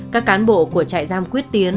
các cán bộ của trại giam quyết tiến